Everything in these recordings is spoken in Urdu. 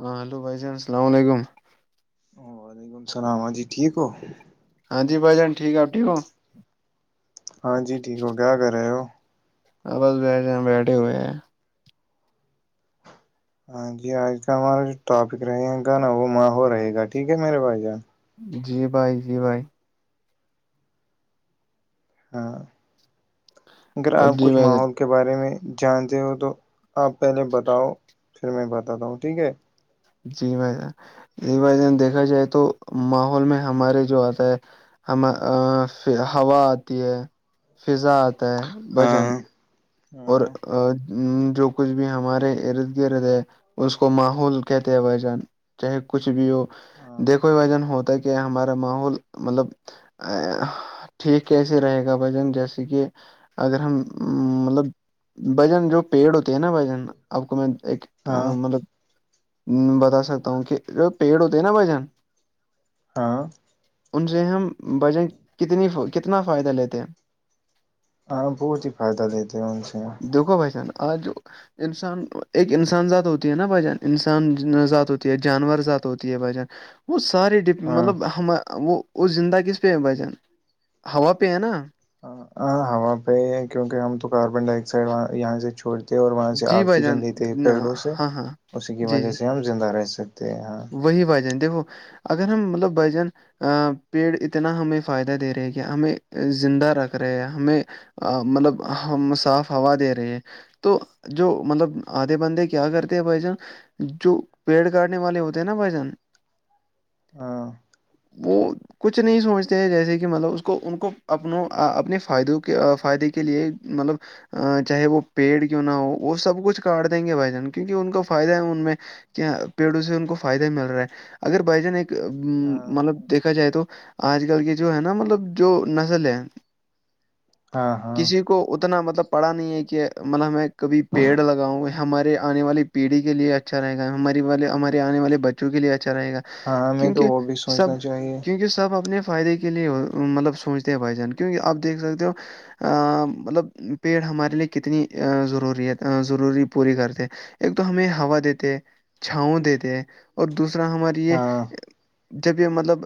ہاں ہل بھائی جان السلام علیکم وعلیکم السلام ح جی ٹھیک ہو ہاں ج بھائی جان ٹھیک آپ ٹھ ہ ہو ہاں جی ٹھیک ہو کیا کر رہے ہو ہاں بس بیٹھے بیٹھے ہوئے ہیں ہاں جی آج کا ہمارا جو ٹاپک رہے گا نا وہ ماہ ہو رہے گا ٹھیک ہے میرے پاس جان جی بھائی جی بھائی ہاں اگر اور آپ جی کچھ بھائی جان ماحول کے بارے میں جانتے ہو تو آپ پہلے بتاؤ پھر میں بتاتا ہوں ٹھیک ہے جی بھائی جان جی بھ جان دیکھا جائے تو ماحول میں ہمارے جو آتا ہے ہم ہوا آتی ہے فضا آتا ہے بجن ہاں اور ہاں جو کچھ بھی ہمارے ارد گرد ہے اس کو ماحول کہتے ہیں بھ جان چاہے کچھ بھی ہو ہاں دیکھو بھ جان ہوتا ہے کہ کہ ہمارا ماحول مطلب ٹھیک کیسے رہے گا بھجن جیسے کہ اگر ہم مطلب بھجن جو پیڑ ہوتے ہیں نا بھجن آپ کو میں ایک ہاں مطلب بتا سکتا ہوں کہ جو پیڑ ہوتے ہیں نا بھ جان ہاں ان سے ہم بجن کتنی کتنا فائدہ لیتے ہیں ہاں بہت ہی فائدہ دیتے ان سے دیکھو بھائیشان آج جو انسان ایک انسان ذات ہوتی ہے نا بجن انسان ذات ہوتی ہے جانور ذات ہوتی ہے بجن وہ سارے ڈپ ہاں مطلب ہم وہ وہ زندہ کس پہ بجن ہوا پہ ہے نا ہاں ہوا پہ ہی ہے کیونکہ ہم تو کاربن ڈائی آکسائڈ یہاں سے چھوڑ اور وہاں سے جی بھائی آکسیجن جان لیتے ہیں نا- پیڑوں سے ہاں ہاں اسی کی جی وجہ جی سے ہم زندہ رہ سکتے ہیں ہاں وہی بھائی جان دیکھو اگر ہم مطلب بجن ا پیڑ اتنا ہمیں فائدہ دے رہے کہ ہمیں زندہ رکھ رہے ہیں ہمیں ا مطلب ہم صاف ہوا دے رہے ہیں تو جو مطلب آدھے بندے کیا کرتے ہیں بھائی جان جو پیڑ کاٹنے والے ہوتے ہیں نا بھ جان ہاں بت کچھ نہیں سوچتے ہیں جیسے کہ مطلب اس کو ان کو اپنوں اپنے فائدوں کے فائدے کے لیئے مطلب چاہے وہ پیڑ کیوں نہ ہو وہ سب کچھ کاٹ دیں گے بھائی جان کیونکہ ان کو فائدہ ہے ان میں کہ پیڑوں سے ان کو فائدہ مل رہا ہے اگر بھائی جان ایک ہاں مطلب دیکھا جائے تو آج کل کی جو ہے نا مطلب جو نسل ہے ہاں ہاں کسی کو اتنا مطلب پڑا نہیں ہے کہ مطلب میں کبھی پیڑ لگاؤں ہمارے آنے والی پیڑھی کے لیے اچھا رہے گا ہماراری والے ہمارے آنے والے بچے کے لیے اچھا رہے گا ہاں ہمیں تو کیونکہ وہ بھی سب سوچنا چاہیے کیونکہ سب اپنے فائدے کے لیے ہو مطلب سوچتے ہیں بھائی جان کیونکہ آپ دیکھ سکتے ہو مطلب پیڑ ہمارے لیے کتنی ضروریت ضروری پوری کرتے ایک تو ہمیں ہوا دیتے چھاؤں دیتے ہیں اور دوسرا ہماری یہ ہاں جب یہ مطلب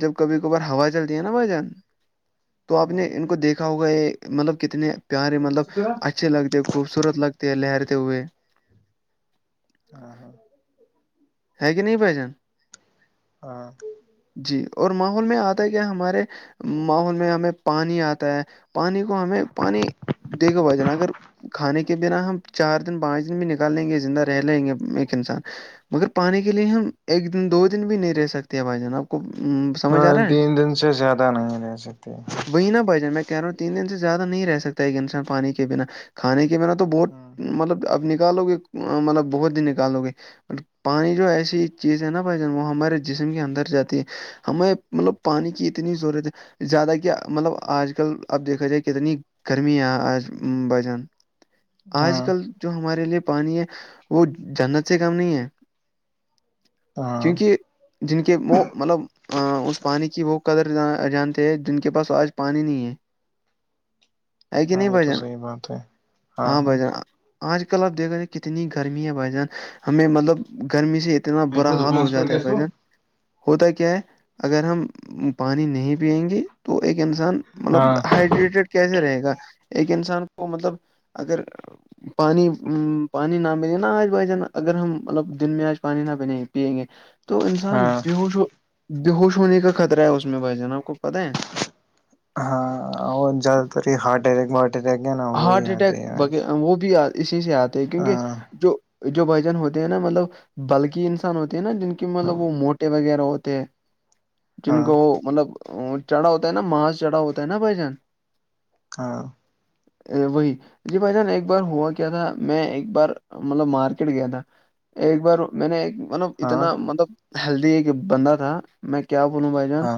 جب کبھی کبھار ہوا چلتی ہے نا بائی جان تو آپ نے ہاں ان کو دیکھا ہوگا یہ مطلب کتنے پیارے مطلب ہاں اچھے لگتے ہیں خوبصورت لگتے ہیں لہرتے ہوئے ہاں ہاں ہے کہ نہیں بائ جان ہاں جی اور ماحول میں آتا ہے کیا ہمارے ماحول میں ہمیں پانی آتا ہے پانی کو ہمیں پانی دیک کے ب جانا اگر کھانے کے بنا ہم چار دن پانچ دن بھی نکال لیں گے زندہ رہ لیں گے ایک انسان مگر پانی کے لیے ہم ایک دن دو دن بھی نہیں رہ سکتے بھائی جان آپ کو سمجھ ہاں آ رہا ہے تین دن سے زیادہ نہیں رہ سکتے وہی نہ بھجن میں کہہ رہا ہوں تین دن سے زیادہ نہیں رہ سکتا ایک انسان پانی کے بنا کھانے کے بنا تو بہت ہاں مطلب اب نکالو گے مطلب بہت دن نکالو گے پانی جو ایسی چیز ہے نا بھائی جان وہ ہمارے جسم کے اندر جاتی ہے ہمیں مطلب پانی کی اتنی ضرورت ہے زیادہ کہ مطلب آج کل اب دیکھا جائے کتنی گرمی بجن آج ہاں کل جو ہمارے لیے پانی ہے وہ جنت سے کم نہیں ہے کیونکہ جن کے وہ مطلب اس پانی کی وہ قدر جانتے ہیں جن کے پاس آج پانی نہیں ہے [inaudible] ہاں یہ بھائی تو جان صحی بات ہے ہاں بھائی جان آج کل آپ دیکھ رہ ج کتنی گرمی ہے بھائی جان ہمیں مطلب گرمی سے اتنا برا حال ہو دکان جاتا ہے بھ جن ہوتا کیا ہے اگر ہم پانی نہیں پیئیں گے تو ایک انسان مطلب ہاں ہائڈریٹیڈ کیسے رہے گا ایک انسان کو مطلب اگر پانی پانی نہ ملے نہا آج بھائی جان اگر ہم مطلب دن میں آج پانی نہ بنےیں گے پیئیں گے تو انسان ہاں بیہوش ہو بیہوش ہونے کا خطرہ ہے اس میں بھائی ج ن آپ کو پتتاہ ہے ہاں جادد تاری ہارٹ اٹیک اٹیک ہے نا وہی ہارٹ آتے اٹیک ہیں آج وہ بھی اسی سے آتا کیونکہ ہاں جو جو بھجن ہوتے ہیں نا مطلب بلکہ ان سے ہوتی ہیں نا جن کی مطلب وہ موٹے وغیرہ ہوتے ہیں جن ہاں کو وہ مطلب وہ چڑھاو ت نا ماز چڑاو تو نا بجن ہاں وہی جی بھائی جان ایک بار ہوا کیا تھا میں ایک بار مطلب مارکیٹ گیا تھا ایک بار میں نے مطلب ہاں اتنا مطلب ہیلدی ایک بندہ تھا میں کیا بولوں بھائی جان ہاں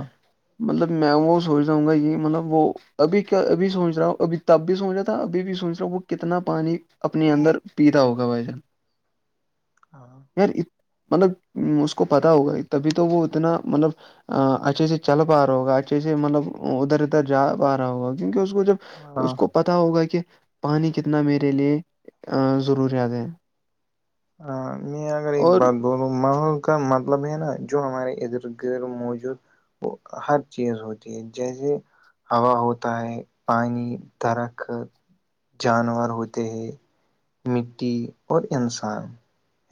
مطلب میں وہ سوچ رہا ہوں گا یہ مطلب وہ ابھی کیا ابھی سوچ رہا ہوں ابھی تب بھی سوچ رہا تھا ابھی بھی سوچ رہا ہ وہ کتنا پانی اپنے اندر پیتاا ہوگا بھائی جان ہاں سر [unintelligible] [inaudible] مطلب اس کو پتا ہوگا ہی تبھی تو وہ اتنا مطلب ا اچھے سے چل پا رہا ہوگا اچھے سے مطلب ادھر ادھر جا پا رہا ہوگا کیونکہ اس کو جب ہاں اس کو پتہ ہوگا کہ پانی کتنا میرے لیے ضروریات ہیں ہاں میں اگر ایک بات دونوں ماحول کا مطلب ہے نا جو ہمارے ادھر گدھر موجود وہ ہر چیز ہوتی ہے جیسے ہوا ہوتا ہے پانی درخت جانور ہوتے ہیں مٹی اور انسان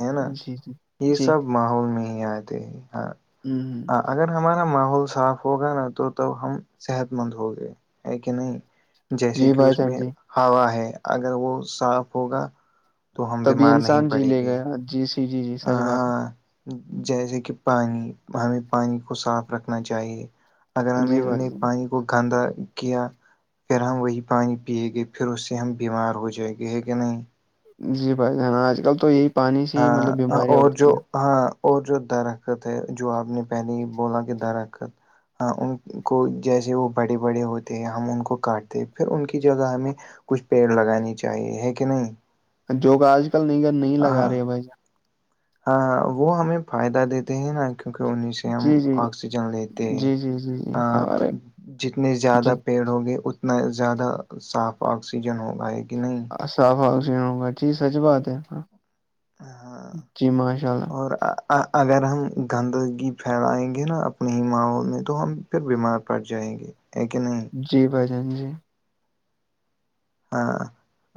ہے نا جی جی یہ جی سب ماحول میں ہی آتے ہیں ہاں ہ ہاں اگر ہمارا ماحول صاف ہوگا نا تو تب ہم صحت مند ہ گے ہے کہ نہیں جیسے جی کہ بھائی اس جان میں جی ہوا ہے اگر وہ صاف ہوگا تو ہم تبھی بیمار نہیں انسان جی پڑیں لے گے گیا جی سی جی جی سچ بات ہے ہاں جیسے کہ پانی ہمیں پانی کو صاف رکھنا چاہیے اگر ہے ہم نے جی بھائی نے جان پانی کو گندا کیا پھر ہم وہی پانی پیے گے پھر اس سے ہم بیمار ہو جائیں گے ہے کہ نہیں جی بھائی جان آج کل تو یہی پانی سے ہی ہاں مطلب بیماریاں اور جو اٹھتی ہیں ہاں اور جو درخت ہے جو آپ نے پہلے ہی بولا کہ درخت ہاں ان کو جیسے وہ بڑے بڑے ہوتے ہیں ہم ان کو کاٹتے پھر ان کی جگہ ہمیں کچھ پیڑ لگانی چاہیے ہے کہ نہیں جو کہ آج کل نگر نہیں لگا ہاں رہے ہے بھائی جان ہاں وہ ہمیں فائدہ دیتے ہیں نا کیونکہ انہیں سے ہم جی جی آکسیجن لیتے ہیں جی جی جی جی ہاں ارے جتنے جی زیادہ پیڑ ہوگے اتنا زیادہ صاف آکسیجن ہوگا ہے کہ نہیں صاف حن ہوگا جی سچ بات ہے ہ ہاں جی ماشاء اللہ اور اگر ہم گندگی پھیلائیں گے نا اپنے ہی ماحول میں تو ہم پھر بیمار پڑ جائیں گے ہے کہ نہیں جی بھائی جان جی ہاں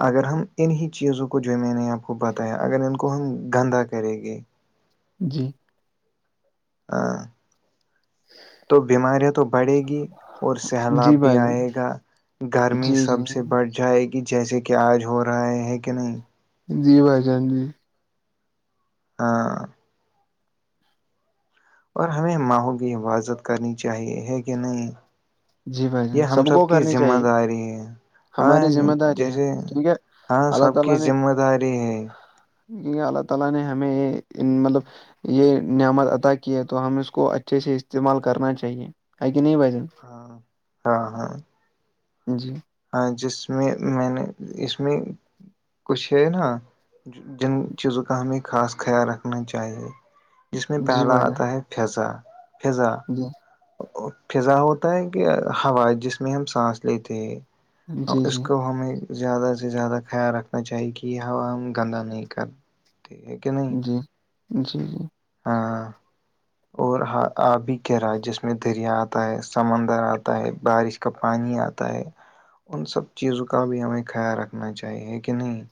اگر ہم انہیں چیزوں کو جو میں نے آپ کو بتایا اگر ان کو ہم گندا کریں گے جی ہاں [inaudible] [unintelligible] تو بیماریاں تو بڑھیں گی اور سہلاب جی بھی بھائی جان آئے گا گرمی جی سب جی سے بڑی پوچھائے کہ جیسے کہ آج ہو رہا ہے کہ نہیں جی بھائی جان جی ہاں اور ہمیں ماہحوں کی حفاظت کرنی چاہیے ہے کہ نہیں جی بھائی یہ جان ہم سب کو کی کرنی ذمہ چاہیے داری ہے ہاں ہماری ذمہ داری ہے جیسے کیونکہ ہاں اللہ سب کی ذمہ داری ہے جی اللہ تعالی نے ہمیں مطلب یہ نعمت عطا کی ہے تو ہم اس کو اچھے سے استعمال کرنا چاہیے ہے کہ نہیں بھائی جان ہاں ہاں ہاں جی ہاں جس میں میں نے اس میں کچھ ہے نا جن چیزوں کا ہمیں خاص خیال رکھنا چاہیے جس میں جی پہلا بھائی جان آتا ہے پھضا پضا جی فضا ہوتا ہے کہ ہوا جس میں ہم سانس لیتے ہیں اور اس جی کو ہمیں زیادہ سے زیادہ خیال رکھنا چاہیے کہ یہ ہوا ہم گندہ نہیں کر جی جی جی آب بھی کہہ رہا ہے جس میں دریا آتا ہے سمندر آتا ہے بارش کا پانی آتا ہے ان سب چیزوں کا بھی ہمیں خیال رکھنا چاہیے کہ نہیں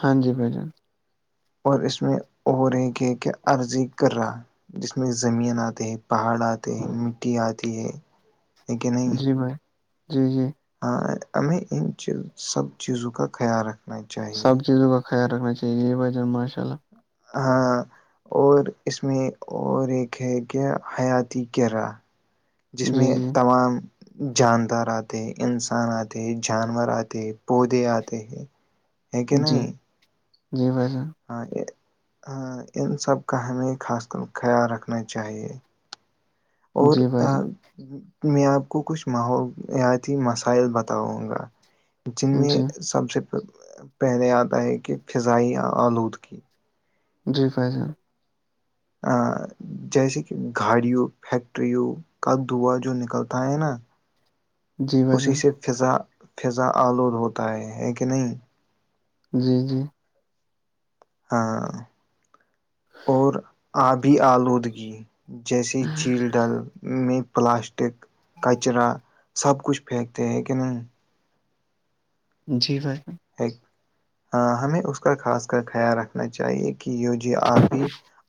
ہاں جی بھائی جان اور اس میں اور ایک کہ کہ عرضی کر رہا جس میں زمین آتی ہے پہاڑ آتے ہیں مٹی آتی ہے ہے جی بھائی جی جی ہ ہمیں انی سب چیزوں کا خیال رکھا سب چیزوں کا خیال رکھنا چاہیے بھائی جان ماشاءاللہ ہاں اور اس میں اور ایک ہے کیا حیاتی کیرا جس میں جی جی تمام جاندار آتے ہیں انسان آتے ہیں جانور آتے ہیں پودے آتے ہیں ہے کہ جی نہیں جی بھائی جان ہاں یہ ہاں ان سب کا ہمیں خاص کر خیال رکھنا چاہیے اور جی بھائی میں آپ کو کچھ ماحولیاتی مسائل بتاؤں گا جن جان میں جی سب سے پہلے آتا ہے کہ فضائی آلودگی جی بھائی جان ہاں جیسے کہ گھاڑیوں فیکٹریوں کا دعا جو نکلتا ہے نا [unintelligible] [inaudible] اسی جان سے فضا فضا آلود ہوتا ہے ہے کہ نہیں جی جی ہاں اور آبھی آلودگی جیسے جھیل ڈل میں پلاسٹک کچرا سب کچھ پھینکتے ہیں کہ نہیں جی بھائیائی ایک ہاں ہمیں اس کا خاص کر خیال رکھنا چاہیے کہ یہ جو آبھی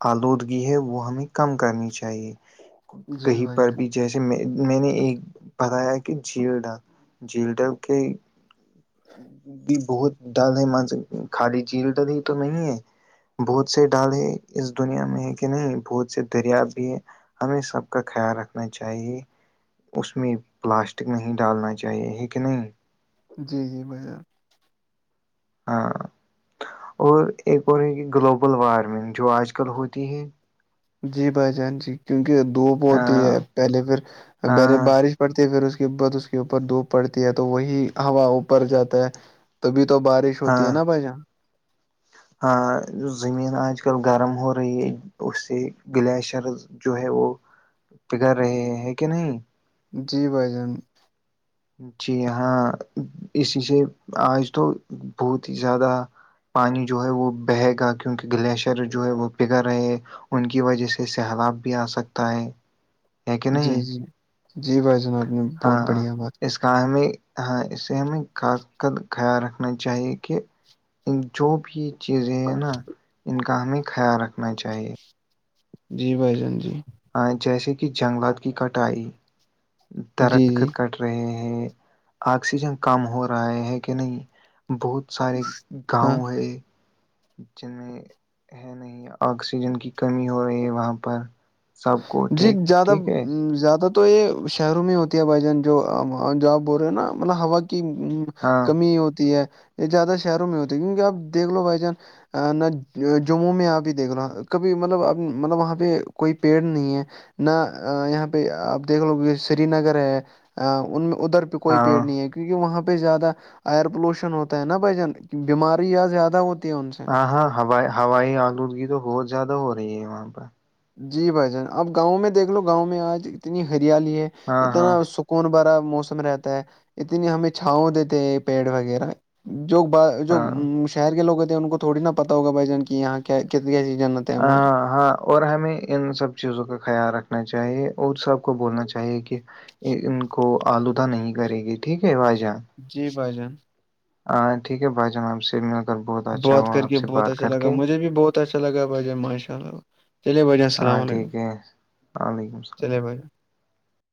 آلودگی ہے وہ ہمیں کم کرنی چاہیے جی کہیں بھائی پر جان بھی جیسے میں میں نے ایک بتایا کہ جھیل ڈا جھیلڈا کے بھی بہت ڈل ہے م خالی جیل ڈل ہی تو نہیں ہے بہت سے ڈالے اس دنیا میں ہے کہ نہیں بہت سے دریا بھی ہے ہمیں سب کا خیال رکھنا چاہیے اس میں پلاسٹک نہیں ڈالنا چاہیے ہے کہ نہیں جی جی بھائیپ ہاں اور ایک اور ہے کہ گلوبل وارمنگ جو آج کل ہوتی ہے جی بھائی جان جی کیونک دھوپ ہوتی ہاں ہے پہلے پھر بہلے ہاں بارش پڑتی ہے پھر اس بت اس کے اوپر دھوپ پڑتی ہے تو وہی ہوا اوپر جاتا ہے تبھی تو بارش چھوتی ہے ہاں نہ بائی جں ہاں زمین آج کل گرم ہو رہی ہے اس سے گلیشرز جو ہے وہ بگڑ رہے ہیں کہ نہیں جی بھائی جان جی ہاں اسی سے آج تو بہت ہی زیادہ پانی جو ہے وہ بہے گا کیوںکہ گلیشر جو ہے وہ پگھا رہے ان کی وجہ سے سیلاب بھی آ سکتا ہے ہے کہ جی جی جی بھائی جناب نے بہت ہاں ہاں بڑھیا بات اس کا ہمیں ہاں اسے ہمیں خاص قد خیال رکھنا چاہیے کہ ان جو بھی چیزیں ہے نا ان کا ہمیں خیال رکھنا چاہیے جی بھائی جان جی جیسے کہ جنگلات کی کٹائی جی درخت جی کٹائی رہے ہیں آکسیجن کم ہو رہا ہے کہ نہیں بہت سارے ہاں گاؤں ہے جن میں ہے نہیں آکسیجن کی کمی ہو رہی ہے وہاں پر سب کو جی ٹھیک زیادہ ٹھیک ہے زیادہ تو یہ شہروں میں ہوتی ہے بھائی جان جو جو آپ بول رہے ہو نا مطلب ہوا کی ہاں کمی ہوتی ہے یہ زیادہ شہروں میں ہوتی ہے کیونکہ آپ دیکھ لو بائی چانس نہ جموں میں آپ ہی دیکھ رہا کبھی مطلب مطلب وہاں پہ کوئی پیڑ نہیں ہے نہ یہاں پہ آپ دیکھ لو یہ سری نگر ہے ان میں ادھر پہ کوئی پیڑ ہاں نہیں ہے کہ کیونکہ وہاں پہ زیادہ ایئر پولوشن ہوتا ہے نا بھ جن بیماری یا زیادہ ہوتی ہیں ان سے ہاں ہاں ہوائی آلودگی تو بہت زیادہ ہو رہی ہے وہاں پر جی بھائی جان اب گاؤں میں دیکھ لو گاؤں میں آج اتنی ہریالی ہے ہاں ہاں اتنا اس کون بڑا موسم رہتا ہے اتنی ہمیں چھاؤ دیتے ہیں پیڑ وغیرہ جو اب جو ہاں شہر کے لوگ ہوتے ہیں ان کو تھوڑی نا پتا ہوگ بھائی جان کی یہاں ک کتنے ریجن ہ ہاں اور ہمیں ان سب چیزوں کا خیال رکھنا چاہیے اور سب اور سب کو بولنا چاہیے کہ ان کو آلودہ نہیں کرے گی ٹھیک ہے بھائی جاں جی بھائی جان ہ ٹھیک ہے بھائی جان آپ سے کر بہت اچھا بات ہوا کر آپ کے سے بہت بات اچھا کر لگا کے مجھے بھی بہت اچھا لگا بھائی جاں ماشاء اللہ چلیے بھائی جاں السلام ہاں علیکم ٹھیک ہے وعلیکم السلام چلیے بھائی جان۔